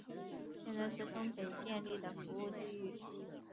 现在是东北电力的服务地域。